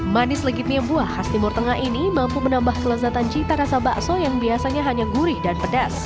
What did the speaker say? manis legitnya buah khas timur tengah ini mampu menambah kelezatan cita rasa bakso yang biasanya hanya gurih dan pedas